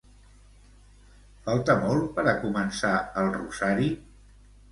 Falta molt per començar el rosari?